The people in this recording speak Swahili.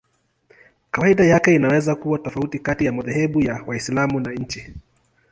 Kawaida yake inaweza kuwa tofauti kati ya madhehebu ya Waislamu na nchi.